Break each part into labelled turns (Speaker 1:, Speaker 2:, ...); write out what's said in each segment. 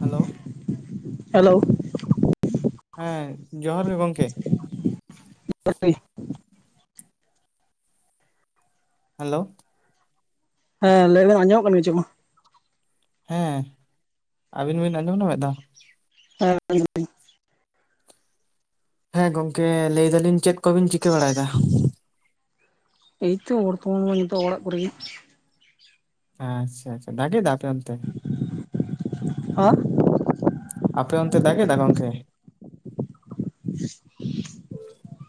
Speaker 1: Hello
Speaker 2: hello
Speaker 1: ᱦᱮᱸ ᱡᱚᱦᱟᱨ ᱜᱮ ᱜᱚᱝᱠᱮ
Speaker 2: [inaudible]
Speaker 1: ᱦᱮᱞᱳ
Speaker 2: ᱦᱮᱸ ᱞᱟᱹᱭ ᱵᱮᱱ, ᱟᱸᱚᱢᱚᱜ ᱠᱟᱱ ᱜᱮᱪᱚ ᱢᱟ
Speaker 1: ᱦᱮᱸ ᱟᱹᱵᱤᱱ ᱵᱤᱱ ᱟᱸᱡᱚᱢ ᱧᱟᱢᱮᱫᱟ?
Speaker 2: ᱦᱮᱸ [inaudible]
Speaker 1: ᱦᱮᱸ ᱜᱚᱝᱠᱮ ᱞᱟᱹᱭ ᱫᱟᱞᱤᱧ ᱪᱮᱫ ᱠᱚᱵᱤᱱ ᱪᱤᱠᱟᱹ ᱵᱟᱲᱟᱭᱫᱟ?
Speaker 2: ᱮᱭᱛᱚ ᱵᱚᱨᱛᱷᱚᱢᱟᱱ ᱢᱟ ᱱᱤᱛᱚᱜ ᱚᱲᱟᱜ ᱠᱚᱨᱮ ᱜᱮ᱾
Speaker 1: ᱟᱪᱪᱷᱟ ᱟᱪᱪᱷᱟ ᱰᱟᱜᱮ ᱴᱟ ᱟᱯᱮ ᱚᱱᱛᱮ?
Speaker 2: ᱦᱚ
Speaker 1: ᱟᱯᱮ ᱚᱱᱛᱮ ᱫᱟᱜᱮ ᱫᱟ ᱜᱚᱝᱠᱮ?
Speaker 2: [inaudible]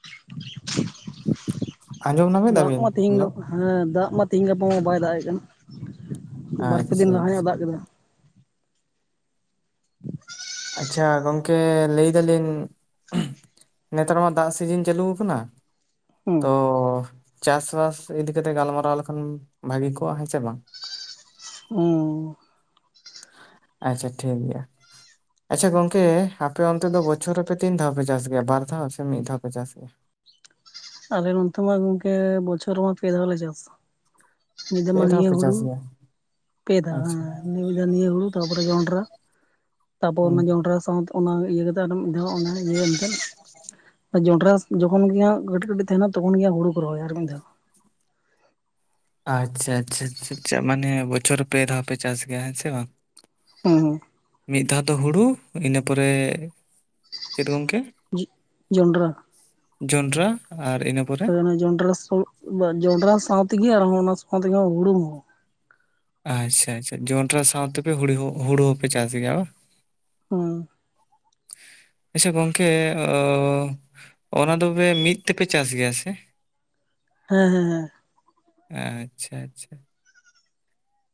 Speaker 2: [inaudible]
Speaker 1: ᱟᱸᱡᱚᱢ ᱧᱟᱢ ᱮᱫᱟ
Speaker 2: ᱫᱟᱜ
Speaker 1: ᱵᱤᱱ?
Speaker 2: ᱢᱟ ᱛᱤᱦᱤᱧ
Speaker 1: ᱦᱮᱞᱳ
Speaker 2: ᱫᱚ ᱦᱮᱸ ᱫᱟᱜ ᱢᱟ ᱛᱮᱦᱮᱧ ᱜᱟᱯᱟ ᱢᱟ ᱵᱟᱭ ᱫᱟᱜ ᱮᱜ ᱠᱟᱱᱟ᱾ ᱵᱟᱨᱯᱮ
Speaker 1: ᱟᱪᱪᱷᱟ
Speaker 2: ᱫᱤᱱ ᱞᱟᱦᱟ ᱧᱚᱜ
Speaker 1: ᱟᱪᱪᱷᱟ
Speaker 2: ᱫᱟᱜ ᱠᱮᱫᱟ᱾
Speaker 1: ᱟᱪᱪᱷᱟ ᱜᱚᱝᱠᱮ ᱞᱟᱹᱭ ᱫᱟᱞᱤᱧ ᱱᱮᱛᱟᱨ ᱢᱟ ᱫᱟᱜ ᱥᱤᱡᱤᱱ ᱪᱟᱹᱞᱩ ᱠᱟᱱᱟ᱾
Speaker 2: ᱦᱩᱸ
Speaker 1: ᱛᱚ ᱪᱟᱥᱵᱟᱥ ᱤᱫᱤ ᱠᱟᱛᱮ ᱜᱟᱞᱢᱟᱨᱟᱣ ᱞᱮᱠᱷᱟᱱ ᱵᱷᱟᱹᱜᱤ ᱠᱚᱜᱼᱟ᱾ ᱦᱮᱸ ᱥᱮ ᱵᱟᱝ?
Speaker 2: ᱩᱸ
Speaker 1: ᱟᱪᱪᱷᱟ ᱴᱷᱤᱠ ᱜᱮᱭᱟ᱾ ᱟᱪᱪᱷᱟ ᱜᱚᱝᱠᱮ ᱟᱯᱮ ᱚᱱᱛᱮ ᱫᱚ ᱵᱚᱪᱷᱚᱨ ᱨᱮᱯᱮ ᱛᱤᱱ ᱫᱷᱟᱣ ᱯᱮ ᱪᱟᱥ ᱜᱮᱭᱟ? ᱵᱟᱨ ᱫᱷᱟᱣ ᱥᱮ ᱢᱤᱫ ᱫᱷᱟᱣ ᱯᱮ ᱪᱟᱥ ᱜᱮᱭᱟ?
Speaker 2: ᱟᱞᱮ ᱱᱚᱛᱮ ᱢᱟ ᱜᱚᱝᱠᱮ ᱵᱚᱪᱷᱚᱨ ᱨᱮᱢᱟ ᱯᱮ ᱫᱷᱟᱣ ᱞᱮ ᱪᱟᱥᱟ᱾ ᱢᱤᱫ ᱫᱷᱟᱣ
Speaker 1: ᱯᱮ
Speaker 2: ᱢᱟ ᱱᱤᱭᱟᱹ
Speaker 1: ᱯᱮ ᱪᱟᱥ
Speaker 2: ᱦᱩᱲᱩ᱾
Speaker 1: ᱜᱮᱭᱟ
Speaker 2: ᱯᱮ ᱫᱷᱟᱣ
Speaker 1: ᱟᱪᱪᱷᱟ
Speaker 2: ᱦᱮᱸ ᱢᱤᱫ ᱫᱷᱟᱣ ᱱᱤᱭᱟᱹ ᱦᱩᱲᱩ ᱛᱟᱯᱚᱨᱮ ᱡᱚᱱᱰᱨᱟ ᱛᱟᱨᱯᱚᱨ ᱚᱱᱟ
Speaker 1: ᱦᱩᱸ
Speaker 2: ᱡᱚᱱᱰᱨᱟ ᱥᱟᱶᱛᱮ ᱚᱱᱟ ᱤᱭᱟᱹ ᱠᱟᱛᱮ ᱟᱚᱢ ᱟᱫᱚ ᱢᱤᱫᱫᱷᱟᱣ ᱚᱱᱟ ᱤᱭᱟᱹ ᱮᱱᱛᱮᱜ ᱡᱚᱱᱰᱨᱟ ᱡᱚᱠᱷᱚᱱ ᱜᱮᱭᱟ ᱠᱟᱹᱴᱤᱡ ᱠᱟᱹᱴᱤᱡ ᱛᱟᱦᱮᱱᱟ ᱛᱚᱠᱷᱚᱱ ᱜᱮᱦᱟ ᱦᱩᱲᱩ ᱠᱚ ᱨᱚᱦᱚᱭ ᱟᱨ ᱢᱤᱫ ᱫᱷᱟᱣ
Speaker 1: ᱟᱪᱪᱷᱟ ᱟᱪᱪᱷᱟ ᱢᱟᱱᱮ ᱵᱚᱪᱷᱚᱨ ᱯᱮ ᱫᱷᱟᱣ ᱯᱮ ᱪᱟᱥ ᱜᱮᱭᱟ ᱦᱮᱸ ᱥᱮ ᱵᱟᱝ?
Speaker 2: ᱦᱩᱸ ᱦᱩᱸ
Speaker 1: ᱢᱤᱫ ᱫᱷᱟᱣ ᱫᱚ ᱦᱩᱲᱩ ᱤᱱᱟᱹ ᱯᱚᱨᱮ ᱪᱮᱫ ᱜᱚᱝᱠᱮ?
Speaker 2: ᱡᱤ ᱡᱚᱸᱰᱨᱟ
Speaker 1: ᱡᱚᱱᱰᱨᱟ ᱟᱨ ᱤᱱᱟᱹ ᱯᱚᱨ
Speaker 2: ᱚᱱᱟ ᱡᱚᱱᱰᱨᱟ ᱥᱚ ᱡᱚᱱᱰᱨᱟ ᱥᱟᱶᱛᱮᱜᱮ ᱟᱨᱦᱚᱸ ᱚᱱᱟ ᱥᱟᱶᱛᱮᱜᱮ ᱦᱩᱲᱩ ᱦᱚᱸ
Speaker 1: ᱟᱪᱪᱷᱟ ᱟᱪᱪᱷᱟ ᱡᱚᱱᱰᱨᱟ ᱥᱟᱶᱛᱮᱜᱮ ᱦᱩᱲᱩ ᱦᱩᱲᱩ ᱦᱚᱸᱯᱮ ᱪᱟᱥ ᱜᱮᱭᱟ ᱵᱟ?
Speaker 2: ᱦᱮ
Speaker 1: ᱟᱪᱪᱷᱟ ᱜᱚᱝᱠᱮ ᱚ ᱚᱱᱟ ᱫᱚᱵᱮ ᱢᱤᱫ ᱛᱮᱯᱮ ᱪᱟᱥ ᱜᱮᱭᱟ ᱥᱮ?
Speaker 2: ᱦᱮᱸ ᱦᱮᱸ ᱦᱮᱸ
Speaker 1: ᱟᱪᱪᱷᱟ ᱟᱪᱪᱷᱟ ᱾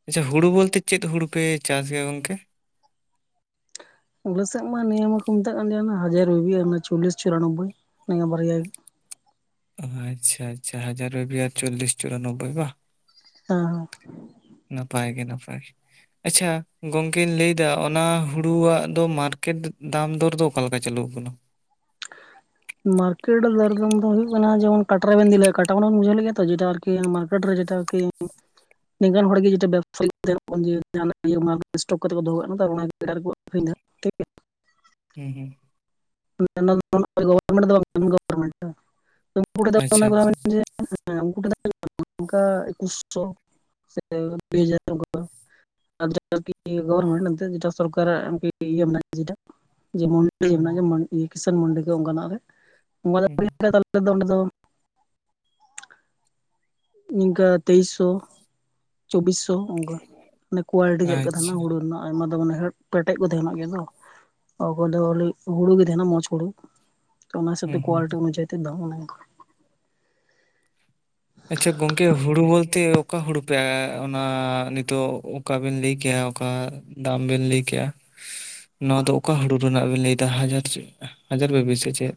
Speaker 1: ᱟᱪᱪᱷᱟ ᱦᱩᱲᱩ ᱵᱚᱞᱛᱮ ᱪᱮᱫ ᱦᱩᱲᱩ ᱯᱮ ᱪᱟᱥ ᱜᱮᱭᱟ ᱜᱚᱝᱠᱮ?
Speaker 2: ᱟᱞᱮ ᱥᱮᱫ ᱢᱟ ᱱᱤᱭᱟᱹ ᱢᱟᱠᱚ ᱢᱮᱛᱟᱜ ᱠᱟᱱ ᱱᱤᱭᱟᱹ ᱦᱟᱡᱟᱨ ᱵᱤᱵᱤ ᱟᱨ ᱚᱱᱟ ᱪᱚᱞᱞᱤᱥ ᱪᱩᱨᱟᱱᱚᱵᱵᱚᱭ ᱱᱤᱭᱟᱹ ᱵᱟᱨᱭᱟ ᱜᱮ ᱾
Speaker 1: ᱚ ᱟᱪᱪᱷᱟ ᱟᱪᱪᱷᱟ ᱦᱟᱡᱟᱨ ᱵᱤᱵᱤ ᱟᱨ ᱪᱚᱞᱞᱤᱥ ᱪᱩᱨᱟᱱᱚᱵᱵᱚᱭ ᱵᱟ?
Speaker 2: ᱦᱮᱸ ᱦᱮᱸ ᱾
Speaker 1: ᱱᱟᱯᱟᱭ ᱜᱮ ᱱᱟᱯᱟᱭ ᱾ ᱟᱪᱪᱷᱟ ᱜᱚᱝᱠᱮᱧ ᱞᱟᱹᱭ ᱫᱟ ᱚᱱᱟ ᱦᱩᱲᱩᱣᱟᱜ ᱫᱚ ᱢᱟᱨᱠᱮᱴ ᱫᱟᱢ ᱫᱚᱨ ᱫᱚ ᱚᱠᱟ ᱞᱮᱠᱟ ᱪᱟᱹᱞᱩᱣ ᱟᱠᱟᱱᱟ?
Speaker 2: ᱢᱟᱨᱠᱮᱴ ᱫᱚᱨ ᱫᱟᱢ ᱫᱚ ᱦᱩᱭᱩᱜ ᱠᱟᱱᱟ, ᱡᱮᱢᱚᱱ ᱠᱟᱴᱨᱟ ᱵᱮᱱ ᱤᱫᱤ ᱞᱮᱜᱼᱟ ᱠᱟᱴᱟ ᱢᱟᱱᱮ ᱵᱤᱱ ᱵᱩᱡᱷᱟᱹᱣ ᱞᱮᱫ ᱜᱮᱭᱟ ᱛᱚ? ᱡᱮᱴᱟ [unintelligible] ᱠᱟᱴᱨᱮ ᱡᱮᱴᱟ ᱠᱤ ᱱᱤᱝᱠᱟᱱ ᱦᱚᱲ ᱜᱮ ᱡᱚᱛᱚ ᱵᱮᱵᱽᱥᱟ [unintelligible] [inaudible] ᱥᱴᱚᱠ ᱠᱟᱛᱮ ᱠᱚ ᱫᱚᱦᱚ ᱠᱟᱜ ᱠᱟᱱᱟ ᱛᱚ ᱟᱨ ᱚᱱᱟ ᱜᱮ ᱮᱴᱟᱜ ᱨᱮᱠᱚ ᱟᱹᱠᱷᱨᱤᱧ ᱫᱟ ᱾
Speaker 1: ᱦᱩᱸ ᱦᱩᱸ ᱾
Speaker 2: [inaudible] ᱜᱚᱵᱷᱟᱨᱢᱮᱱᱴ ᱫᱚ ᱵᱟᱝ
Speaker 1: ᱟᱪᱪᱷᱟ ᱟᱪᱪᱷᱟ
Speaker 2: ᱠᱟᱱᱟ [unintelligible] [inaudible] ᱚᱱᱠᱟ [inaudible] [unintelligible] ᱟᱨ ᱡᱟᱦᱟᱸ ᱟᱨᱠᱤ ᱜᱚᱵᱟᱨᱢᱮᱱᱴ ᱡᱮᱴᱟ ᱥᱚᱨᱠᱟᱨᱟᱜ ᱟᱨ ᱠᱤ ᱤᱭᱟᱹᱢᱮᱱᱟᱜ-ᱟ ᱡᱮᱴᱟ ᱡᱮᱢᱚᱱ
Speaker 1: ᱦᱩᱸ
Speaker 2: [inaudible] ᱠᱤᱥᱟᱱ ᱢᱟᱱᱰᱤ ᱠᱚ ᱚᱱᱠᱟᱱᱟᱜ ᱨᱮ
Speaker 1: ᱦᱩᱸ
Speaker 2: [inaudible] ᱛᱟᱦᱞᱮ ᱫᱚ ᱚᱸᱰᱮ ᱫᱚ ᱤᱱᱠᱟᱹ ᱛᱮᱭᱤᱥᱥᱚ ᱪᱚᱵᱵᱤᱥ ᱥᱚ ᱚᱱᱠᱟ ᱢᱟᱱᱮ ᱠᱳᱣᱟᱞᱤᱴᱤ ᱪᱮᱫ ᱞᱮᱠᱟ ᱛᱟᱦᱮᱱᱟ
Speaker 1: ᱟᱪᱪᱷᱟ
Speaker 2: ᱦᱩᱲᱩ ᱨᱮᱱᱟᱜ ᱾ ᱟᱭᱢᱟ ᱫᱚ ᱢᱟᱱᱮ ᱦᱮᱸ ᱯᱮᱴᱮᱡ ᱠᱚ ᱛᱟᱦᱮᱱᱚᱜ ᱜᱮᱭᱟ ᱛᱚ ᱾ ᱚᱠᱟ ᱠᱚᱫᱚ ᱠᱷᱟᱞᱤ ᱦᱩᱲᱩ ᱜᱮ ᱛᱟᱦᱮᱱᱟ ᱢᱚᱸᱡᱽ ᱦᱩᱲᱩ ᱚᱱᱟ
Speaker 1: ᱦᱩᱸ
Speaker 2: ᱦᱤᱥᱟᱹᱵᱛᱮ
Speaker 1: ᱦᱩᱸ
Speaker 2: ᱠᱣᱟᱞᱤᱴᱤ ᱚᱱᱩᱡᱟᱭᱤᱛᱮ ᱫᱟᱢ ᱚᱱᱟ [unintelligible]
Speaker 1: ᱟᱪᱪᱷᱟ ᱜᱚᱝᱠᱮ ᱦᱩᱲᱩ ᱵᱚᱞᱛᱮ ᱚᱠᱟ ᱦᱩᱲᱩ ᱯᱮ ᱚᱱᱟ ᱱᱤᱛᱚᱜ ᱚᱠᱟ ᱵᱤᱱ ᱞᱟᱹᱭ ᱠᱮᱭᱟ ᱚᱠᱟ ᱫᱟᱢ ᱵᱮᱱ ᱞᱟᱹᱭᱠᱮᱜ-ᱟ ᱾ ᱱᱚᱣᱟ ᱫᱚ ᱚᱠᱟ ᱦᱩᱲᱩ ᱨᱮᱱᱟᱜ ᱵᱮᱱ ᱞᱟᱹᱭᱫᱟ ᱦᱟᱡᱟᱨ ᱦᱟᱡᱟᱨ ᱵᱮᱵᱤ ᱥᱮ ᱪᱮᱫ?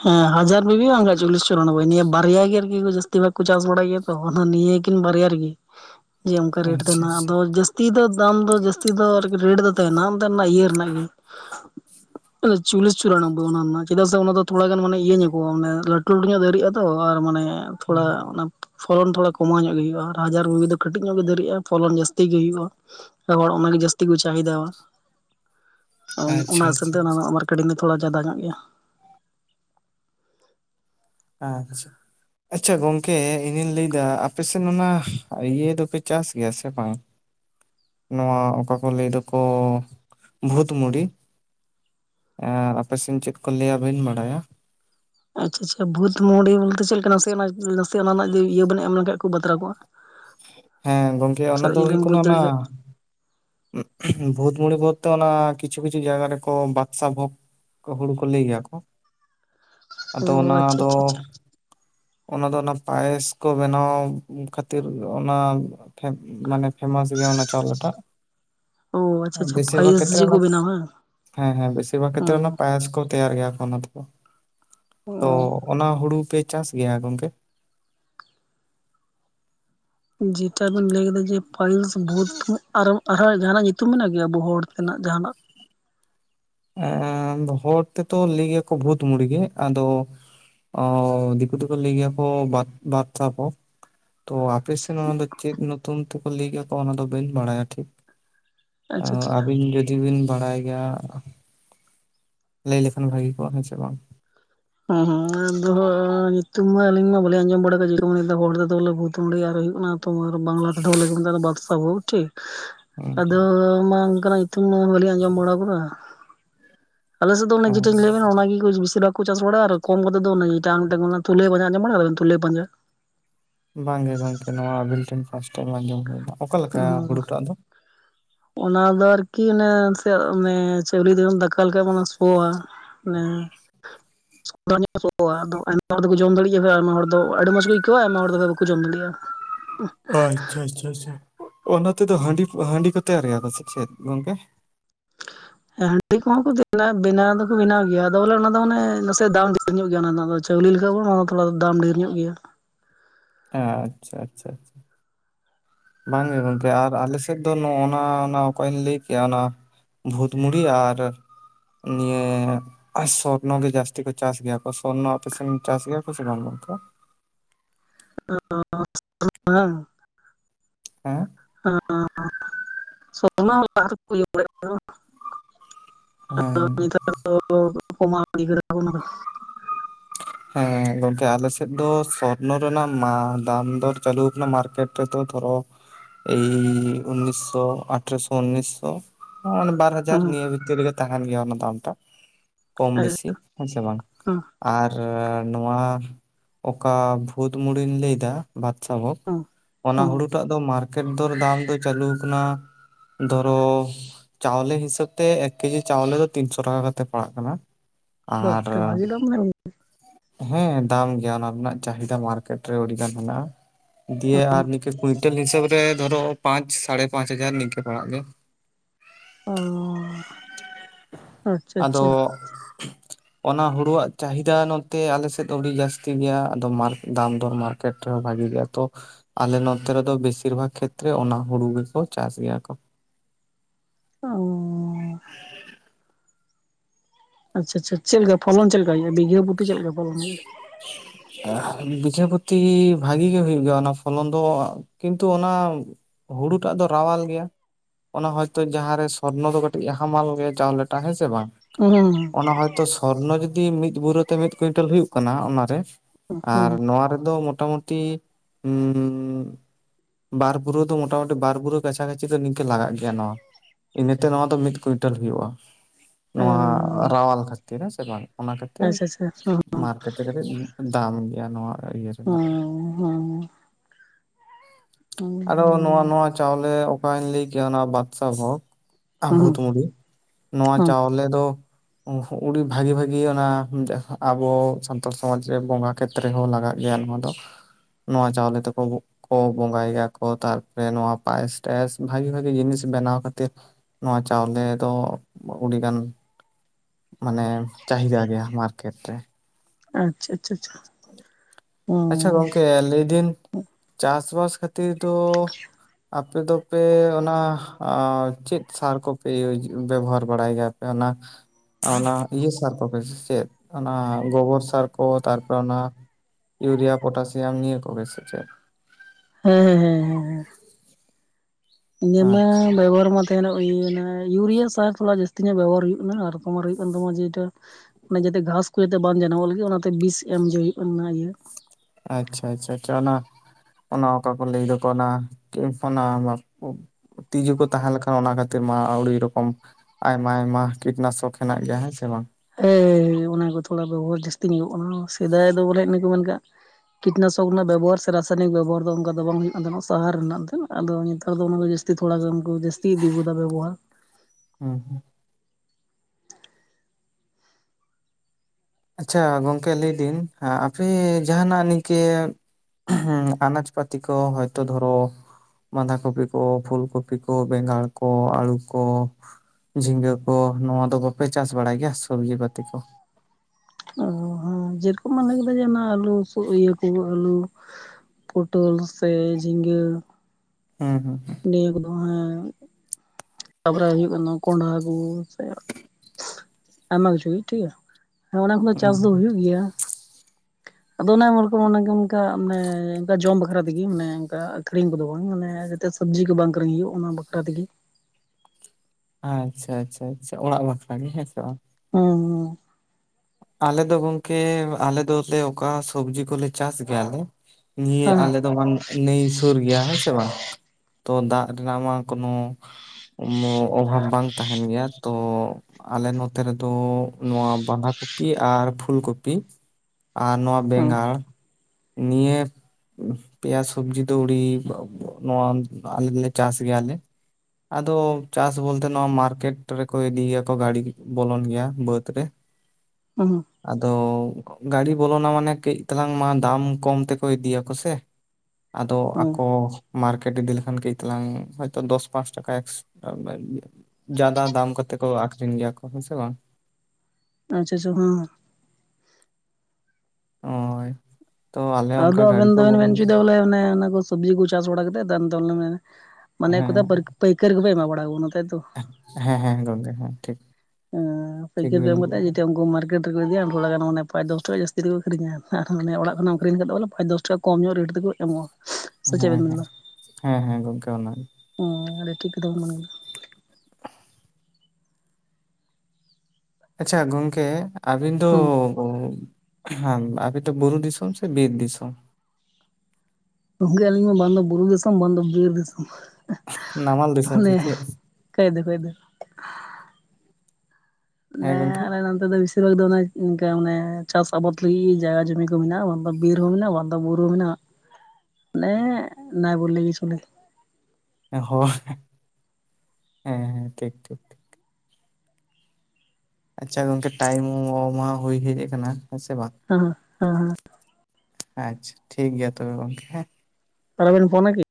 Speaker 2: ᱦᱮᱸ ᱦᱟᱡᱟᱨ ᱵᱤᱵᱤ ᱵᱟᱝᱠᱷᱟᱡ ᱪᱚᱞᱞᱤᱥ ᱪᱩᱨᱟᱱᱚᱵᱵᱚᱭ ᱱᱤᱭᱟᱹ ᱵᱟᱨᱭᱟ ᱜᱮ ᱟᱨᱠᱤ ᱠᱚ ᱡᱟᱹᱥᱛᱤ ᱵᱷᱟᱜ ᱠᱚ ᱪᱟᱥ ᱵᱟᱲᱟᱭ ᱜᱮᱭᱟ ᱛᱚ ᱚᱱᱟ ᱱᱤᱭᱟᱹᱠᱤᱱ ᱵᱟᱨᱭᱟ ᱨᱮᱜᱤ ᱾
Speaker 1: [unintelligible]
Speaker 2: ᱡᱮ ᱚᱱᱠᱟ ᱨᱮᱴ ᱫᱚ
Speaker 1: ᱟᱪᱪᱷᱟ
Speaker 2: ᱱᱟᱜ
Speaker 1: ᱟᱪᱪᱷᱟ
Speaker 2: ᱟᱫᱚ ᱡᱟᱥ ᱛᱤ ᱫᱚ ᱫᱟᱢ ᱫᱚ ᱡᱟᱹᱥᱛᱤ ᱫᱚ ᱟᱨᱠᱤ ᱨᱮᱴ ᱫᱚ ᱛᱟᱦᱮᱱᱟ [unintelligible] ᱚᱫᱚ ᱚᱱᱟ ᱤᱭᱟᱹ ᱨᱮᱱᱟᱜ ᱜᱮ ᱪᱩᱞᱞᱤᱥ ᱪᱩᱨᱟᱱᱚᱵᱵᱚᱭ ᱚᱱᱟ ᱨᱮᱱᱟᱜ, ᱪᱮᱫᱟᱜ ᱥᱮ ᱚᱱᱟ ᱫᱚ ᱛᱷᱚᱲᱟ ᱜᱟᱱ ᱢᱟᱱᱮ ᱤᱭᱟᱹ ᱧᱚᱜᱚᱜ-ᱟ ᱢᱟᱱᱮ ᱞᱟᱹᱴᱩ ᱞᱟᱹᱴᱩ ᱧᱚᱜ ᱫᱟᱹᱨᱜᱼᱟ ᱛᱚ ᱟᱨ ᱢᱟᱱᱮ ᱛᱷᱚᱲᱟ
Speaker 1: ᱦᱩᱸ
Speaker 2: ᱚᱱᱟ ᱯᱷᱚᱞᱚᱱ ᱛᱷᱚᱲᱟ ᱠᱚᱢᱟᱟᱣ ᱧᱚᱜ ᱜᱮ ᱦᱩᱭᱩᱜᱼᱟ, ᱟᱨ ᱦᱟᱡᱟᱨ ᱵᱤᱵᱤ ᱫᱚ ᱠᱟᱹᱴᱤᱡ ᱧᱚᱜ ᱜᱮ ᱫᱟᱨᱮᱜᱼᱟ ᱯᱷᱚᱞᱚᱱ ᱡᱟᱥᱛᱤ ᱜᱮ ᱦᱩᱭᱩᱜᱼᱟ ᱾ ᱥᱮ ᱦᱚᱲ ᱚᱱᱟ ᱜᱮ ᱡᱟᱹᱥᱛᱤ ᱠᱚ ᱪᱟᱹᱦᱤᱫᱟᱣᱟ ᱾
Speaker 1: [unintelligible] ᱟᱪᱪᱷᱟ
Speaker 2: ᱚᱱᱟ ᱦᱤᱥᱟᱹᱱ
Speaker 1: ᱟᱪᱪᱷᱟ
Speaker 2: ᱛᱮ ᱚᱱᱟ ᱨᱮᱱᱟᱜ ᱢᱟᱨᱠᱮᱴᱤᱝ ᱫᱚ ᱛᱷᱚᱲᱟ ᱡᱟᱫᱟ ᱧᱚᱜ ᱜᱮᱭᱟ ᱾
Speaker 1: ᱟᱪᱪᱷᱟ ᱾ ᱟᱪᱪᱷᱟ ᱜᱚᱝᱠᱮ ᱤᱧᱤᱧ ᱞᱟᱹᱭ ᱮᱫᱟ ᱟᱯᱮ ᱥᱮᱱ ᱚᱱᱟ ᱤᱭᱟᱹ ᱫᱚᱯᱮ ᱪᱟᱥ ᱜᱮᱭᱟ ᱥᱮ ᱵᱟᱝ? ᱱᱚᱣᱟ ᱚᱠᱟ ᱠᱚ ᱞᱟᱹᱭ ᱫᱟᱠᱚ ᱵᱷᱩᱛᱢᱩᱲᱤ ᱟᱨ ᱟᱯᱮ ᱥᱮᱱ ᱪᱮᱫ ᱠᱚ ᱞᱟᱹᱭᱟ ᱵᱟᱹᱧ ᱵᱟᱲᱟᱭᱟ?
Speaker 2: ᱟᱪᱪᱷᱟ ᱟᱪᱪᱷᱟ ᱵᱷᱩᱛ ᱢᱩᱲᱤ ᱵᱚᱞᱛᱮ ᱪᱮᱫ ᱞᱮᱠᱟ? ᱱᱟᱥᱮᱭᱟᱜ ᱱᱟᱥᱮᱭᱟᱜ ᱚᱱᱟ ᱨᱮᱱᱟᱜ ᱡᱩᱫᱤ ᱤᱭᱟᱹ ᱵᱮᱱ ᱮᱢ ᱞᱮᱠᱷᱟᱱ ᱠᱷᱩᱵ ᱵᱟᱛᱨᱟ ᱠᱚᱜᱼᱟ ᱾
Speaker 1: ᱦᱮᱸ ᱜᱚᱝᱠᱮ ᱚᱱᱟ ᱫᱚ ᱦᱩᱭᱩᱜ
Speaker 2: ᱡᱩᱫᱤᱢ
Speaker 1: ᱠᱟᱱᱟ
Speaker 2: ᱵᱩᱡᱽ
Speaker 1: ᱚᱱᱟ
Speaker 2: ᱫᱟᱲᱮᱭᱟᱜ
Speaker 1: ᱵᱷᱩᱛ ᱢᱩᱲᱤ ᱵᱚᱞ ᱛᱮ ᱚᱱᱟ ᱠᱤᱪᱷᱩ ᱠᱤᱪᱷᱩ ᱡᱟᱭᱜᱟ ᱨᱮᱠᱚ ᱵᱟᱫᱥᱟ ᱵᱷᱳᱜᱽ ᱦᱩᱲᱩ ᱠᱚ ᱞᱟᱹᱭ ᱜᱮᱭᱟ ᱠᱚ,
Speaker 2: ᱠᱷᱟᱡ
Speaker 1: ᱟᱫᱚ ᱚᱱᱟ
Speaker 2: ᱚ ᱟᱪᱪᱷᱟ
Speaker 1: ᱫᱚ
Speaker 2: ᱟᱪᱪᱷᱟ ᱟᱪᱪᱷᱟ
Speaker 1: ᱚᱱᱟ ᱫᱚ ᱚᱱᱟ ᱯᱟᱭᱮᱥ ᱠᱚ ᱵᱮᱱᱟᱣ ᱠᱷᱟᱹᱛᱤᱨ ᱚᱱᱟ ᱯᱷᱮᱢ ᱢᱟᱱᱮ ᱯᱷᱮᱢᱟᱥ ᱜᱮᱭᱟ ᱚᱱᱟ ᱪᱟᱣᱞᱮ ᱴᱟᱜ ᱾
Speaker 2: ᱚ ᱟᱪᱪᱷᱟ ᱟᱪᱪᱷᱟ ᱯᱟᱭᱤᱥ ᱡᱮ ᱠᱚ
Speaker 1: ᱚᱱᱟ
Speaker 2: ᱵᱮᱱᱟᱣᱟ ᱦᱟᱝ?
Speaker 1: ᱦᱮᱸ ᱦᱮᱸ ᱵᱮᱥᱤᱨ ᱵᱷᱟᱜᱽ ᱠᱷᱮᱛᱨᱮ ᱚᱱᱟ ᱯᱟᱭᱮᱥ ᱠᱚ ᱛᱮᱭᱟᱨ ᱜᱮᱭᱟ ᱚᱱᱟ ᱠᱚᱫᱚ, ᱛᱚ
Speaker 2: ᱚ
Speaker 1: ᱚᱱᱟ ᱦᱩᱲᱩ ᱯᱮ ᱪᱟᱥ ᱜᱮᱭᱟ ᱜᱚᱝᱠᱮ?
Speaker 2: ᱡᱮᱴᱟ ᱵᱮᱱ ᱞᱟᱹᱭ ᱠᱮᱫᱟ ᱡᱮ ᱯᱟᱭᱤᱥ ᱵᱷᱩᱛ ᱟᱨ ᱟᱨᱦᱚᱸ ᱡᱟᱦᱟᱱᱟᱜ ᱧᱩᱛᱩᱢ ᱢᱮᱱᱟᱜ ᱠᱤ ᱟᱵᱚ ᱦᱚᱲ ᱛᱮᱱᱟᱜ ᱡᱟᱦᱟᱱᱟᱜ᱾
Speaker 1: ᱮ ᱦᱚᱲ ᱛᱮᱛᱚ ᱞᱟᱹᱭ ᱜᱮᱭᱟᱠᱚ ᱵᱷᱩᱛ ᱢᱩᱲᱤ ᱜᱮ, ᱟᱫᱚ ᱚ ᱫᱤᱠᱩ ᱛᱮᱠᱚ ᱞᱟᱹᱭ ᱜᱮᱭᱟ ᱠᱚ ᱵᱟᱫ ᱪᱟᱠᱚ᱾ ᱛᱚ ᱟᱯᱮᱥᱮᱱ ᱚᱱᱟ ᱫᱚ ᱪᱮᱫ ᱧᱩᱛᱩᱢ ᱛᱮᱠᱚ ᱞᱟᱹᱭ ᱜᱮᱭᱟ ᱠᱚ ᱚᱱᱟ ᱫᱚ ᱵᱟᱹᱧ ᱵᱟᱲᱟᱭᱟ ᱴᱷᱤᱠ᱾
Speaker 2: ᱟᱪᱪᱷᱟ ᱟᱪᱪᱷᱟ
Speaker 1: ᱟᱹᱵᱤᱱ ᱡᱩᱫᱤ ᱵᱤᱱ ᱵᱟᱲᱟᱭ ᱜᱮᱭᱟ ᱞᱟᱹᱭ ᱞᱮᱠᱷᱟᱱ ᱵᱷᱟᱹᱜᱤ ᱠᱚᱜ-ᱟ ᱦᱮᱸ ᱥᱮ ᱵᱟᱝ?
Speaker 2: ᱦᱮᱸ ᱦᱮᱸ ᱟᱫᱚ ᱧᱩᱛᱩᱢ ᱢᱟ ᱟᱹᱞᱤᱧ ᱢᱟ ᱵᱟᱹᱞᱤᱧ ᱟᱸᱡᱚᱢ ᱵᱟᱲᱟ ᱟᱠᱟᱫᱟ ᱪᱮᱫ ᱠᱚ ᱦᱚᱲ ᱫᱚᱠᱚ ᱵᱚᱞᱮ ᱵᱷᱩᱛ ᱢᱩᱲᱤ, ᱟᱨ ᱦᱩᱭᱩᱜ ᱠᱟᱱᱟ ᱛᱚ ᱵᱟᱝᱞᱟ ᱠᱟᱛᱷᱟ ᱵᱚᱞᱮ ᱵᱟᱫᱥᱟ ᱵᱷᱩᱛ᱾ ᱴᱷᱤᱠ
Speaker 1: ᱦᱮᱸ
Speaker 2: ᱟᱫᱚ ᱢᱟ ᱚᱱᱠᱟᱱᱟᱜ ᱧᱩᱛᱩᱢ ᱢᱟ ᱵᱷᱟᱹᱞᱤᱧ ᱟᱸᱡᱚᱢ ᱵᱟᱲᱟ ᱠᱟᱫᱟ᱾ ᱟᱞᱮ ᱥᱮᱫ ᱫᱚ ᱚᱱᱟ ᱡᱮᱴᱟᱧ ᱞᱟᱹᱭ ᱵᱮᱱ ᱚᱱᱟᱜᱮ ᱵᱤᱥᱤᱨ ᱵᱷᱟᱜ ᱪᱟᱥ ᱵᱟᱲᱟᱭᱟ ᱟᱨ ᱠᱚᱢ ᱠᱟᱛᱮ ᱫᱚ ᱚᱱᱮ ᱛᱩᱞᱟᱹᱭ ᱯᱟᱸᱡᱟ ᱟᱡᱚᱢ ᱵᱟᱲᱟ ᱟᱠᱟᱫᱟ ᱛᱩᱞᱟᱹᱭ ᱯᱟᱸᱡᱟ᱾
Speaker 1: ᱵᱟᱝᱜᱮ ᱜᱚᱝᱠᱮ ᱱᱚᱣᱟ ᱟᱵᱤᱱ ᱴᱷᱮᱱ ᱯᱷᱟᱥᱴ ᱴᱟᱭᱤᱢ ᱟᱸᱡᱚᱢ ᱦᱩᱭᱱᱟ᱾ ᱚᱠᱟ ᱞᱮᱠᱟ ᱦᱩᱲᱩᱴᱟᱜ ᱫᱚ
Speaker 2: [unintelligible] ᱚᱱᱟ ᱫᱚ ᱟᱨᱠᱤ ᱚᱱᱮᱭᱟᱜ ᱚᱱᱮ ᱪᱟᱹᱨᱤ ᱫᱚᱢ ᱫᱟᱠᱟ ᱞᱮᱠᱷᱟᱡ ᱚᱱᱟ ᱥᱚᱣᱟ ᱾ ᱢᱟᱱᱮ ᱚᱜ-ᱟ ᱟᱫᱚ ᱟᱭᱢᱟ ᱦᱚᱲ ᱫᱚᱠᱚ ᱡᱚᱢ ᱫᱟᱲᱮᱭᱟᱜ-ᱟ ᱟᱭᱢᱟ ᱦᱚᱲ ᱫᱚ ᱟᱹᱰᱤ ᱢᱚᱸᱡᱽ ᱠᱚ ᱟᱹᱭᱠᱟᱹᱣᱟ ᱟᱭᱢᱟ ᱦᱚᱲ ᱫᱚ ᱵᱟᱠᱚ ᱡᱚᱢ ᱫᱟᱲᱮᱭᱟᱜ-ᱟ ᱾ [inaudible] [unintelligible]
Speaker 1: ᱚ ᱟᱪᱪᱷᱟ ᱟᱪᱪᱷᱟ ᱟᱪᱪᱷᱟ ᱚᱱᱟ ᱛᱮᱫᱚ ᱦᱟᱺᱰᱤ ᱠᱚ ᱛᱮᱭᱟᱨ ᱮᱭᱟ ᱥᱮ ᱪᱮᱫ ᱜᱚᱝᱠᱮ?
Speaker 2: ᱦᱟᱺᱰᱤ ᱠᱚᱦᱚᱸ ᱠᱚ ᱵᱮᱱᱟᱣ ᱫᱚᱠᱚ ᱵᱮᱱᱟᱣ ᱜᱮᱭᱟ ᱟᱫᱚ ᱵᱚᱞᱮ ᱚᱱᱟ ᱫᱚ ᱢᱟᱱᱮ ᱱᱟᱥᱮ ᱫᱟᱢ ᱰᱷᱮᱨ ᱧᱚᱜ ᱜᱮᱭᱟ ᱚᱱᱟ ᱨᱮᱱᱟᱜ ᱫᱚ ᱪᱟᱣᱞᱮ ᱞᱮ ᱞᱮᱠᱟᱱ ᱵᱚ ᱚᱱᱟ ᱫᱚ ᱛᱷᱚᱲᱟ ᱫᱚ ᱫᱟᱢ ᱰᱷᱮᱨ ᱧᱚᱜ ᱜᱮᱭᱟ ᱾
Speaker 1: ᱦᱮᱸ ᱟᱪᱪᱷᱟ ᱟᱪᱪᱷᱟ ᱵᱟᱝᱜᱮ ᱜᱚᱝᱠᱮ ᱟᱨ ᱟᱞᱮ ᱥᱮᱫ ᱫᱚ ᱱᱚᱜ-ᱱᱟ ᱚᱠᱚᱧ ᱞᱟᱹᱭ ᱠᱮᱭᱟ ᱚᱱᱟ ᱵᱷᱩᱛ ᱢᱩᱲᱤ ᱟᱨ ᱱᱤᱭᱟᱹ ᱟᱨ ᱥᱚᱨᱱᱚ ᱜᱮ ᱡᱟᱹᱥᱛᱤ ᱠᱚ ᱪᱟᱥ ᱜᱮᱭᱟ ᱠᱚ ᱥᱚᱨᱱᱚ ᱟᱯᱮ ᱥᱮᱫ ᱪᱟᱥ ᱜᱮᱭᱟ ᱠᱚ ᱥᱮ ᱵᱟᱝ ᱜᱚᱝᱠᱮ?
Speaker 2: [unintelligible]
Speaker 1: ᱦᱩᱸ
Speaker 2: [unintelligible]
Speaker 1: ᱦᱮᱸ
Speaker 2: [unintelligible]
Speaker 1: ᱦᱮᱸ ᱜᱚᱝᱠᱮ ᱟᱞᱮ ᱥᱮᱫ ᱫᱚ ᱥᱚᱨᱱᱚ ᱨᱮᱱᱟᱜ ᱫᱟᱢ ᱫᱚ ᱪᱟᱹᱞᱩ ᱟᱠᱟᱱᱟ ᱢᱟᱨᱠᱮᱴ ᱨᱮᱫᱚ ᱫᱷᱚᱨᱚ ᱮᱭ ᱩᱱᱤᱥᱥᱚ ᱟᱴᱮᱨᱚᱥᱚ ᱩᱱᱤᱥᱥᱚ ᱢᱟᱱᱮ ᱵᱟᱨ ᱵᱟᱨ ᱦᱟᱡᱟᱨ
Speaker 2: ᱦᱩᱸ
Speaker 1: ᱱᱤᱭᱟᱹ ᱵᱷᱤᱛᱤᱨ ᱨᱮᱜᱮ ᱛᱟᱦᱮᱱ ᱜᱮᱭᱟ ᱚᱱᱟ ᱫᱟᱢᱴᱟ ᱠᱚᱢ ᱵᱮᱥᱤ ᱦᱮᱸᱥᱮ ᱵᱟᱝ,
Speaker 2: ᱦᱩᱸ
Speaker 1: ᱟᱨ ᱮᱸ ᱱᱚᱶᱟ ᱚᱠᱟ ᱵᱷᱩᱛ ᱢᱩᱲᱤ ᱞᱟᱹᱭ ᱮᱫᱟ ᱵᱟᱫᱥᱟ ᱵᱚᱜᱽ
Speaker 2: ᱦᱩᱸ
Speaker 1: ᱚᱱᱟ
Speaker 2: ᱦᱩᱸ
Speaker 1: ᱦᱩᱲᱩᱴᱟᱜ ᱫᱚ ᱢᱟᱨᱠᱮᱴ ᱫᱚᱨ ᱫᱟᱢ ᱫᱚ ᱪᱟᱹᱞᱩ ᱟᱠᱟᱱᱟ ᱫᱷᱚᱨᱚ ᱪᱟᱣᱞᱮ ᱦᱤᱥᱟᱹᱵ ᱛᱮ ᱮᱠ ᱠᱮᱡᱤ ᱪᱟᱣᱞᱮ ᱫᱚ ᱛᱤᱱᱥᱚ ᱴᱟᱠᱟ ᱠᱟᱛᱮ ᱯᱟᱲᱟᱜ ᱠᱟᱱᱟ ᱾
Speaker 2: [unintelligible] ᱵᱷᱟᱜᱤ ᱫᱟᱢ [unintelligible]
Speaker 1: ᱦᱮᱸ ᱫᱟᱢ ᱜᱮᱭᱟ ᱚᱱᱟ ᱨᱮᱱᱟᱜ ᱪᱟᱦᱤᱫᱟ ᱢᱟᱨᱠᱮᱴ ᱨᱮ ᱟᱹᱰᱤᱜᱟᱱ ᱦᱮᱱᱟᱜ-ᱟ᱾ ᱫᱤᱭᱮ ᱟᱨ ᱱᱤᱝᱠᱟᱹ ᱠᱩᱭᱤᱱᱴᱮᱞ ᱦᱤᱥᱟᱹᱵ ᱨᱮ ᱫᱷᱚᱨᱚ ᱯᱟᱸᱪ ᱥᱟᱲᱮ ᱯᱟᱸᱪ ᱦᱟᱡᱟᱨ ᱱᱤᱝᱠᱟ ᱯᱟᱲᱟᱜ ᱜᱮᱭᱟ ᱾
Speaker 2: ᱚ ᱟᱪᱪᱷᱟ ᱟᱪᱪᱷᱟ
Speaker 1: [unintelligible] [inaudible] ᱚᱱᱟ ᱦᱩᱲᱩᱣᱟ ᱪᱟᱦᱤᱫᱟ ᱱᱚᱛᱮ ᱟᱞᱮᱥᱮᱫ ᱫᱚ ᱟᱹᱰᱤ ᱡᱟᱹᱥᱛᱤ ᱜᱮᱭᱟ, ᱟᱫᱚ ᱫᱟᱢ ᱫᱚᱨ ᱢᱟᱨᱠᱮᱴ ᱨᱮᱦᱚᱸ ᱵᱷᱟᱹᱜᱤ ᱜᱮᱭᱟ ᱛᱚ ᱾ ᱟᱞᱮ ᱱᱚᱛᱮ ᱨᱮᱫᱚ ᱵᱮᱥᱤᱨ ᱵᱷᱟᱜᱽ ᱠᱷᱮᱛᱨᱮ ᱚᱱᱟ ᱦᱩᱲᱩ ᱜᱮᱠᱚ ᱪᱟᱥ ᱜᱮᱭᱟ ᱠᱚ ᱾
Speaker 2: ᱚᱻ ᱟᱪᱪᱷᱟ, ᱟᱪᱪᱷᱟ ᱪᱮᱫ ᱞᱮᱠᱟ ᱯᱷᱚᱞᱚᱱ ᱪᱮᱫ ᱞᱮᱠᱟ ᱦᱩᱭᱩᱜ-ᱟ ᱵᱤᱜᱷᱟᱹ ᱯᱩᱛᱤ ᱪᱮᱫ ᱞᱮᱠᱟ ᱯᱷᱚᱞᱚᱱ ᱦᱩᱭᱩᱜ-ᱟ?
Speaker 1: ᱵᱤᱜᱷᱟᱹ ᱯᱚᱛᱤ ᱵᱷᱟᱹᱜᱤ ᱜᱮ ᱦᱩᱭᱩᱜ ᱜᱮᱭᱟ ᱚᱱᱟ ᱯᱷᱚᱞᱚᱱ ᱫᱚ ᱾ ᱠᱤᱱᱛᱩ ᱚᱱᱟ ᱦᱩᱲᱩ ᱴᱟᱜ ᱫᱚ ᱨᱟᱣᱟᱞ ᱜᱮᱭᱟ ᱾ ᱚᱱᱟ ᱦᱚᱭ ᱛᱚ ᱡᱟᱦᱟ ᱨᱮ ᱥᱚᱨᱱᱚ ᱫᱚ ᱠᱟᱹᱴᱤᱡ ᱦᱟᱢᱟᱞ ᱜᱮ ᱪᱟᱣᱞᱮ ᱴᱟᱜ ᱦᱮᱸ ᱥᱮ ᱵᱟᱝ?
Speaker 2: [unintelligible]
Speaker 1: ᱚᱱᱟ ᱦᱚᱭ ᱛᱚ ᱥᱚᱨᱱᱚ ᱡᱩᱫᱤ ᱢᱤᱫ ᱵᱩᱨᱟᱹ ᱛᱮ ᱢᱤᱫ ᱠᱩᱭᱤᱱᱴᱟᱞ ᱦᱩᱭᱩᱜ ᱠᱟᱱᱟ ᱚᱱᱟᱨᱮ ᱟᱨ ᱱᱚᱣᱟ ᱨᱮᱫᱚ ᱢᱳᱴᱟ ᱢᱩᱴᱤ ᱩᱸᱻ ᱵᱟᱨ ᱯᱩᱨᱟᱹ ᱫᱚ ᱢᱚᱴᱟ ᱢᱩᱴᱤ ᱵᱟᱨ ᱯᱩᱨᱟᱹ ᱠᱟᱪᱷᱟ ᱠᱟᱪᱷᱤ ᱫᱚ ᱱᱤᱝᱠᱟᱹ ᱞᱟᱜᱟᱜ ᱜᱮᱭᱟ ᱱᱚᱣᱟ᱾ ᱤᱱᱟᱹᱛᱮ ᱱᱚᱣᱟ ᱫᱚ ᱢᱤᱫ ᱠᱩᱭᱤᱱᱴᱟᱞ ᱦᱩᱭᱩᱜ-ᱟ ᱾
Speaker 2: ᱦᱩᱸ ᱚ
Speaker 1: ᱱᱚᱣᱟ ᱨᱟᱣᱟᱞ ᱠᱷᱟᱹᱛᱤᱨ ᱦᱮᱸ ᱥᱮ ᱵᱟᱝ ᱚᱱᱟ ᱠᱷᱟᱹᱛᱤᱨ
Speaker 2: ᱟᱪᱪᱷᱟ ᱟᱪᱪᱷᱟ ᱦᱩᱸ
Speaker 1: ᱢᱟᱨᱠᱮᱴ ᱨᱮ ᱠᱟᱹᱴᱤᱡ ᱫᱟᱢ ᱜᱮᱭᱟ ᱱᱚᱣᱟ ᱤᱭᱟᱹ ᱨᱮᱱᱟᱜ
Speaker 2: ᱟᱪᱪᱷᱟ
Speaker 1: ᱟᱫᱚ ᱱᱚᱣᱟ ᱱᱚᱣᱟ ᱪᱟᱣᱞᱮ ᱚᱠᱟᱧ ᱞᱟᱹᱭ ᱠᱮᱭᱟ ᱚᱱᱟ ᱵᱟᱫᱥᱟ ᱵᱷᱳᱜᱽ ᱟᱸᱻᱵᱷᱩᱛ ᱢᱩᱲᱤ ᱱᱚᱣᱟ ᱪᱟᱣᱞᱮ ᱫᱚ ᱩᱰᱤ ᱵᱷᱟᱹᱜᱤ, ᱵᱷᱟᱹᱜᱤ ᱚᱱᱟ ᱟᱵᱚ ᱥᱟᱱᱛᱟᱲ ᱥᱚᱢᱟᱡᱽ ᱨᱮ ᱵᱚᱸᱜᱟ ᱠᱷᱮᱛ ᱨᱮᱦᱚᱸ ᱞᱟᱜᱟᱜ ᱜᱮᱭᱟ ᱱᱚᱣᱟ ᱫᱚ ᱱᱚᱣᱟ ᱪᱟᱣᱞᱮ ᱛᱮᱠᱚ ᱠᱚ ᱵᱚᱸᱜᱟᱭ ᱜᱮᱭᱟ ᱾ ᱠᱚ ᱛᱟᱨᱯᱚᱨᱮ ᱱᱚᱣᱟ ᱯᱟᱭᱮᱥ ᱴᱟᱭᱮᱥ ᱵᱷᱟᱹᱜᱤ, ᱵᱷᱟᱹᱜᱤ ᱡᱤᱱᱤᱥ ᱵᱮᱱᱟᱣ ᱠᱷᱟᱹᱛᱤᱨ ᱱᱚᱣᱟ ᱪᱟᱣᱞᱮ ᱫᱚ ᱩᱹᱰᱤ ᱜᱟᱱ ᱢᱟᱱᱮ ᱪᱟᱦᱤᱫᱟ ᱜᱮᱭᱟ ᱢᱟᱨᱠᱮᱴ ᱨᱮ ᱾
Speaker 2: ᱟᱪᱪᱷᱟ ᱾
Speaker 1: ᱟᱪᱪᱷᱟ ᱜᱚᱝᱠᱮ ᱞᱟᱹᱭ ᱫᱤᱱ ᱪᱟᱥ ᱵᱟᱥ ᱠᱷᱟᱹᱛᱤᱨ ᱫᱚ ᱟᱯᱮ ᱫᱚ ᱯᱮ ᱚᱱᱟ ᱪᱮᱫ ᱥᱟᱨ ᱠᱚᱯᱮ ᱤᱭᱩᱡᱽ ᱵᱮᱵᱚᱦᱟᱨ ᱵᱟᱲᱟᱭ ᱜᱮᱭᱟ? ᱚᱱᱟ ᱚᱱᱟ ᱤᱭᱟᱹ ᱥᱟᱨ ᱠᱚᱜᱮ ᱥᱮ ᱪᱮᱫ ᱚᱱᱟ ᱜᱚᱵᱚᱨ ᱥᱟᱨ ᱠᱚ ᱛᱟᱨᱯᱚᱨ ᱚᱱᱟ ᱤᱭᱩᱨᱤᱭᱟ, ᱯᱚᱴᱟᱥᱤᱭᱟᱢ ᱱᱤᱭᱟᱹ ᱠᱚᱜᱮ ᱥᱮ ᱪᱮᱫ?
Speaker 2: ᱦᱮᱸ, ᱦᱮᱸ, ᱦᱮᱸ, ᱦᱮᱸ, ᱦᱮᱸ ᱾ ᱤᱧᱟᱜ ᱢᱟ
Speaker 1: ᱟᱪᱪᱷᱟ
Speaker 2: ᱵᱮᱵᱚᱦᱟᱨ ᱢᱟᱛ ᱚᱱᱟ ᱤᱭᱟᱹ ᱚᱱᱟ ᱤᱭᱩᱨᱤᱭᱟ ᱥᱟᱨ ᱛᱷᱚᱲᱟ ᱡᱟᱹᱥᱛᱤ ᱧᱚᱜ ᱵᱮᱵᱚᱦᱟᱨ ᱦᱩᱭᱩᱜ ᱠᱟᱱᱟ ᱟᱨ ᱠᱚᱢᱟᱨ ᱦᱩᱭᱩᱜ ᱠᱟᱱ ᱛᱟᱢᱟ ᱡᱮᱴᱟ ᱚᱱᱟ ᱡᱟᱛᱮ ᱜᱷᱟᱥ ᱠᱚ ᱡᱟᱛᱮ ᱵᱟᱝ ᱡᱟᱱᱟᱢ ᱚᱜ ᱞᱟᱹᱜᱤᱫ ᱚᱱᱟᱛᱮ ᱵᱤᱥ ᱮᱢ ᱜᱮ ᱦᱩᱭᱩᱜ ᱚᱱᱟ ᱤᱭᱟ
Speaker 1: ᱟᱪᱪᱷᱟ, ᱟᱪᱪᱷᱟ, ᱟᱪᱪᱷᱟ ᱚᱱᱟ ᱚᱱᱟ ᱚᱠᱟ ᱠᱚ ᱞᱟᱹᱭ ᱫᱟᱠᱚ ᱚᱱᱟ ᱠᱮᱢᱯᱷᱚᱱᱟ ᱵᱟᱥᱯᱚ᱾ ᱛᱤᱡᱩ ᱠᱚ ᱛᱟᱦᱮᱸ ᱞᱮᱠᱷᱟᱱ ᱚᱱᱟ ᱠᱷᱟᱹᱛᱤᱨ ᱢᱟ ᱟᱹᱣᱲᱤ ᱨᱚᱠᱚᱢ ᱟᱭᱢᱟ, ᱟᱭᱢᱟ ᱠᱤᱴᱱᱟᱥᱚᱠ ᱦᱮᱱᱟᱜ ᱜᱮᱭᱟ ᱦᱮᱸ ᱥᱮ ᱵᱟᱝ ᱾
Speaker 2: ᱦᱮᱸ ᱚᱱᱟ ᱠᱚ ᱛᱷᱚᱲᱟ ᱵᱮᱵᱚᱦᱟᱨ ᱡᱟᱹᱥᱛᱤ ᱧᱮᱞᱚᱜ ᱠᱟᱱᱟ᱾ ᱥᱮᱫᱟᱭ ᱫᱚ ᱵᱚᱞᱮ ᱤᱱᱟᱹ ᱠᱚ ᱢᱮᱱ ᱠᱟᱜ ᱠᱤᱴᱱᱟᱥᱚᱠ ᱨᱮᱱᱟᱜ ᱵᱮᱵᱚᱦᱟᱨ ᱥᱮ ᱨᱟᱥᱟᱭᱚᱱᱤᱠ ᱠᱤᱴᱱᱟᱥᱚᱠ ᱨᱮᱱᱟᱜ ᱵᱮᱵᱚᱦᱟᱨ ᱥᱮ ᱨᱟᱥᱟᱭᱱᱤᱠ ᱵᱮᱵᱚᱦᱟᱨ ᱫᱚ ᱚᱱᱠᱟ ᱫᱚ ᱵᱟᱝ ᱦᱩᱭᱩᱜ ᱠᱟᱱ ᱛᱟᱦᱮᱸᱱᱟ ᱥᱟᱨ ᱨᱮᱱᱟᱜ ᱫᱮᱱ ᱟᱫᱚ ᱱᱮᱛᱟᱨ ᱫᱚ ᱚᱱᱟ ᱜᱮ ᱡᱟᱹᱥ ᱛᱤ ᱛᱷᱚᱲᱟ ᱜᱟᱱ ᱠᱚ ᱡᱟᱹᱥᱛᱤ ᱤᱫᱤ ᱠᱟᱣᱫᱟ ᱵᱮᱵᱚᱦᱟᱨ ᱾
Speaker 1: ᱦᱩᱸ, ᱦᱩᱸ ᱾ ᱟᱪᱪᱷᱟ ᱜᱚᱝᱠᱮ ᱞᱟᱹᱭ ᱫᱤᱱ ᱟᱯᱮ ᱡᱟᱦᱟ ᱱᱟᱜ ᱱᱤᱝᱠᱟᱹ ᱦᱩᱸ ᱟᱱᱟᱡᱽ ᱯᱟᱛᱤ ᱠᱚ ᱦᱳᱭ ᱛᱚ ᱫᱷᱚᱨᱚ ᱵᱟᱸᱫᱷᱟ ᱠᱚᱯᱤ ᱠᱚ, ᱯᱷᱩᱞ ᱠᱚᱯᱤ ᱠᱚ, ᱵᱮᱸᱜᱟᱲ ᱠᱚ, ᱟᱹᱞᱩ ᱠᱚ ᱡᱷᱤᱸᱜᱟᱹ ᱠᱚ ᱱᱚᱣᱟ ᱫᱚ ᱵᱟᱯᱮ ᱪᱟᱥ ᱵᱟᱲᱟᱭ ᱜᱮᱭᱟ ᱥᱚᱵᱽᱡᱤ ᱯᱟᱹᱛᱤ ᱠᱚ?
Speaker 2: ᱚ ᱦᱮᱸ ᱡᱮ ᱨᱚᱠᱚᱢ ᱢᱟᱱᱮ ᱞᱟᱹᱭ ᱫᱟ ᱚᱱᱟ ᱟᱞᱩ ᱠᱚ ᱤᱭᱟᱹ ᱠᱚ ᱛᱤᱸᱜᱩ ᱟᱹᱞᱩ, ᱯᱚᱴᱚᱞ ᱥᱮ ᱡᱷᱤᱸᱜᱟᱹ
Speaker 1: ᱦᱩᱸ, ᱦᱩᱸ᱾
Speaker 2: ᱱᱤᱭᱟᱹ ᱠᱚᱫᱚ ᱦᱮᱸ ᱛᱟᱯᱚᱨᱮ ᱦᱩᱭᱩᱜ ᱠᱟᱱᱟ ᱠᱚᱸᱰᱷᱟ ᱠᱚ ᱥᱮ [inaudible] ᱟᱭᱢᱟ ᱠᱤᱪᱷᱩ ᱜᱮ ᱴᱷᱤ ᱜᱮᱭᱟ ᱾ ᱦᱮᱸ ᱚᱱᱟ ᱠᱚᱨᱮ
Speaker 1: ᱦᱩᱸ
Speaker 2: ᱪᱟᱥ ᱫᱚ ᱦᱩᱭᱩᱜ ᱜᱮᱭᱟ? ᱟᱫᱚ ᱚᱱᱮ [unintelligible] ᱢᱟᱱᱮ ᱚᱱᱠᱟ ᱡᱚᱢ ᱵᱟᱠᱷᱨᱟ ᱛᱮᱜᱮ ᱢᱟᱱᱮ ᱚᱱᱠᱟ ᱾ ᱟᱹᱠᱷᱨᱤᱧ ᱠᱚᱫᱚ ᱵᱟᱝ ᱢᱟᱱᱮ ᱡᱟᱛᱮ ᱥᱚᱵᱽᱡᱤ ᱠᱚ ᱵᱟᱝ ᱠᱤᱨᱤᱧ ᱦᱩᱭᱩᱜ ᱚᱱᱟ ᱵᱟᱠᱷᱨᱟ ᱛᱮᱜᱮ ᱾
Speaker 1: ᱟᱪᱪᱷᱟ ᱟᱪᱪᱷᱟ ᱟᱪᱷᱟ ᱚᱲᱟᱜ ᱵᱟᱠᱷᱨᱟ ᱜᱮ ᱦᱮᱸᱥᱮ ᱵᱟᱝ ᱾
Speaker 2: [inaudible]
Speaker 1: ᱟᱞᱮ ᱫᱚ ᱜᱚᱝᱠᱮ ᱟᱞᱮ ᱫᱚᱞᱮ ᱚᱠᱟ ᱥᱚᱵᱽᱡᱤ ᱠᱚᱞᱮ ᱪᱟᱥ ᱜᱮᱭᱟᱞᱮ ᱱᱤᱭᱟᱹ
Speaker 2: ᱦᱮᱸ
Speaker 1: ᱟᱞᱮ ᱫᱚ ᱵᱟᱱ ᱱᱟᱹᱭ ᱥᱩᱨ ᱜᱮᱭᱟ ᱦᱮᱸ ᱥᱮ ᱵᱟᱝ ᱾ ᱛᱚ ᱫᱟᱜ ᱨᱮᱱᱟᱜ ᱢᱟ ᱠᱳᱱᱳ ᱢᱚ ᱚᱵᱵᱷᱟᱵᱽ ᱵᱟᱝ ᱛᱟᱦᱮᱱ ᱜᱮᱭᱟ ᱛᱚ ᱟᱞᱮ ᱱᱚᱛᱮ ᱨᱮᱫᱚ ᱱᱚᱣᱟ ᱵᱟᱸᱫᱟᱷᱟ ᱠᱚᱯ ᱯᱤ ᱟᱨ ᱯᱷᱩᱞ ᱠᱚᱯᱤ ᱟᱨ ᱱᱚᱣᱟ
Speaker 2: ᱦᱮᱸ
Speaker 1: ᱵᱮᱸᱜᱟᱲ ᱱᱤᱭᱟᱹ [inaudible] ᱯᱮᱸᱭᱟ ᱥᱚᱵᱽᱡᱤ ᱫᱚ ᱩᱨᱤ [unintelligible] ᱱᱚᱣᱟᱱ ᱟᱞᱮᱜᱮᱞᱮ ᱪᱟᱥ ᱜᱮᱭᱟᱞᱮ ᱾ ᱟᱫᱚ ᱪᱟᱥ ᱵᱚᱞᱛᱮ ᱱᱚᱣᱟ ᱢᱟᱨᱠᱮᱴ ᱨᱮᱠᱚ ᱤᱫᱤᱭ ᱜᱮᱭᱟ ᱠᱚ ᱜᱟᱹᱲᱤ ᱵᱚᱞᱚᱱ ᱜᱮᱭᱟ ᱵᱟᱹᱫᱽ ᱨᱮ ᱾
Speaker 2: ᱩᱸ ᱦᱩᱸ
Speaker 1: ᱟᱫᱚ ᱜᱟᱹᱲᱤ ᱵᱚᱞᱚᱱᱟ ᱢᱟᱱᱮ ᱠᱟᱹᱡ ᱛᱟᱞᱟᱝ ᱢᱟ ᱫᱟᱢ ᱠᱚᱢ ᱛᱮᱠᱚ ᱤᱫᱤᱭᱟᱠᱚ ᱥᱮ ᱾ ᱟᱫᱚ ᱟᱠᱚ ᱢᱟᱨᱠᱮᱴ ᱤᱫᱤ ᱞᱮᱠᱷᱟᱱ ᱠᱟᱹᱭ ᱛᱟᱞᱟᱝ ᱦᱚᱭᱛᱚ ᱫᱚᱥ ᱯᱟᱸᱪ ᱴᱟᱠᱟ ᱮᱠᱥ [inaudible] ᱡᱟᱫᱟ ᱫᱟᱢ ᱠᱚᱛᱮ ᱠᱚ ᱟᱹᱠᱷᱨᱤᱧ ᱜᱮᱭᱟ ᱠᱚ ᱦᱮᱸᱥᱮ ᱵᱟᱝ ᱾
Speaker 2: [unintelligible]
Speaker 1: ᱚᱭ,
Speaker 2: ᱟᱫᱚ ᱟᱹᱵᱤᱱ ᱫᱚᱵᱮᱱ ᱢᱮᱱ ᱪᱩᱭ ᱫᱟ ᱵᱚᱞᱮ ᱚᱱᱮ ᱥᱚᱵᱡᱤ ᱠᱚ ᱪᱟᱥ ᱵᱟᱲᱟ ᱠᱟᱛᱮ [unintelligible] ᱢᱟᱱᱮ
Speaker 1: ᱦᱮᱸ
Speaker 2: ᱠᱚᱛᱟ ᱯᱟᱹᱭᱠᱟᱹᱲ ᱠᱚᱯᱮ ᱮᱢᱟ ᱵᱟᱲᱟ ᱠᱟᱱᱟ ᱛᱟᱭᱛᱚ ᱾
Speaker 1: ᱦᱮᱸ ᱦᱮᱸ ᱜᱚᱝᱠᱮ ᱦᱮᱸ ᱴᱷᱤᱠ ᱾
Speaker 2: ᱦᱮᱸ ᱯᱟᱹᱭᱠᱟᱹᱨ ᱠᱚ ᱮᱢ ᱠᱟᱛᱮᱫ ᱡᱤᱫᱤ ᱩᱱᱠᱩ ᱢᱟᱨᱠᱮᱴ ᱨᱮᱠᱚ ᱤᱫᱤᱭᱟ ᱛᱷᱚᱲᱟ ᱜᱟᱱ ᱢᱟᱱ ᱯᱟᱸᱪ ᱫᱚᱥ ᱴᱟᱠᱟ ᱡᱟᱹᱥᱛᱤ ᱛᱮᱠᱚ ᱟᱠᱨᱤᱧᱟ ᱾ ᱟᱨ ᱟᱱᱮ ᱚᱲᱟᱜ ᱠᱷᱚᱱᱟᱜ ᱟᱹᱠᱷᱨᱤᱧ ᱠᱮᱫᱟ ᱵᱚᱞᱮ ᱯᱟᱸᱪ ᱫᱚᱥ ᱴᱟᱠᱟ ᱠᱚᱢ ᱧᱚᱜ ᱨᱮᱹᱴ ᱛᱮᱠᱚ ᱮᱢᱚᱜᱼᱟ ᱾
Speaker 1: ᱦᱮᱸ ᱦᱮᱸ ᱦᱮᱸ ᱦᱮᱸ ᱜᱚᱝᱠᱮ ᱚᱱᱟᱜᱮ ᱾
Speaker 2: ᱦᱩᱸ ᱟᱹᱰᱤ ᱴᱷᱤᱠ ᱠᱟᱛᱷᱟ ᱵᱮᱱ ᱢᱮᱱ ᱠᱮᱫᱟ ᱾
Speaker 1: ᱟᱪᱪᱷᱟ ᱜᱚᱝᱠᱮ ᱟᱹᱵᱤᱱ ᱫᱚ
Speaker 2: ᱠᱮᱫᱟ ᱦᱮᱸ
Speaker 1: ᱚᱸ ᱦᱟᱝ ᱟᱵᱮ ᱛᱚ ᱵᱩᱨᱩ ᱫᱤᱥᱚᱢ ᱥᱮ ᱵᱤᱨ ᱫᱤᱥᱚᱢ?
Speaker 2: ᱜᱚᱝᱠᱮ ᱟᱹᱞᱤᱧ ᱢᱟ ᱵᱟᱝ ᱫᱚ ᱵᱩᱨᱩ ᱫᱤᱥᱚᱢ ᱵᱟᱝ ᱫᱚ ᱵᱤᱨ ᱫᱤᱥᱚᱢ ᱾
Speaker 1: ᱱᱟᱢᱟᱞ ᱫᱤᱥᱚᱢ ᱥᱮ ᱪᱮᱫ?
Speaker 2: ᱠᱷᱟᱹᱭ ᱫᱚ ᱠᱟᱭᱫᱟ ᱾
Speaker 1: ᱦᱮᱸ
Speaker 2: ᱱᱮ
Speaker 1: ᱜᱚᱝᱠᱮ
Speaker 2: ᱟᱞᱮ ᱱᱚᱱᱛᱮ ᱫᱚ ᱵᱮᱥᱤᱨ ᱵᱷᱟᱜᱽ ᱫᱚ ᱚᱱᱮ ᱤᱱᱠᱟ ᱚᱱᱮ ᱪᱟᱥ ᱟᱵᱟᱫᱽ ᱞᱟᱹᱜᱤᱫ ᱡᱟᱭᱜᱟ ᱡᱚᱢᱤ ᱠᱚ ᱢᱮᱱᱟᱜᱼᱟ, ᱵᱟᱝ ᱫᱚ ᱵᱤᱨ ᱦᱚᱸ ᱢᱮᱱᱟᱜᱼᱟ, ᱵᱟᱝ ᱫᱚ ᱵᱩᱨᱩ ᱦᱚᱸ ᱢᱮᱱᱟᱜᱼᱟ ᱾ ᱚᱱᱮ ᱱᱟᱭ ᱵᱚᱞ ᱞᱮ ᱠᱤ ᱪᱚᱞᱮ ᱾
Speaker 1: [inaudible] ᱦᱮᱸ ᱦᱮᱸ ᱴᱷᱤᱠ ᱴᱷᱤᱠ ᱴᱷᱤᱠ ᱾ ᱟᱪᱪᱷᱟ ᱜᱚᱝᱠᱮ ᱴᱟᱭᱤᱢ ᱢᱚ ᱢᱟ ᱦᱩᱭ ᱦᱮᱡ ᱟᱠᱟᱱᱟ ᱦᱮᱸ ᱥᱮ ᱵᱟᱝ ᱾
Speaker 2: [unintelligible]
Speaker 1: ᱟᱪᱪᱷᱟ ᱴᱷᱤᱠ ᱜᱮᱭᱟ ᱛᱚᱵᱮ ᱜᱚᱝᱠᱮ ᱦᱮᱸ ᱾
Speaker 2: ᱟᱨᱚ ᱵᱤᱱ ᱯᱷᱚᱱᱼᱟ ᱠᱤ?